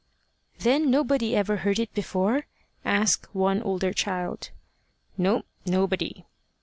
"Then nobody ever heard it before?" asked one older child. "No, nobody."